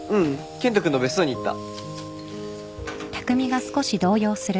健人君の別荘に行った。